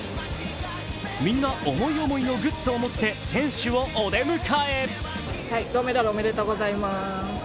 みんな、思い思いのグッズを持って選手をお出迎え。